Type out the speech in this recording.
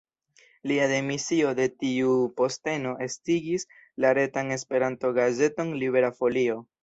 Lia demisio de tiu posteno estigis la retan Esperanto-gazeton Libera Folio.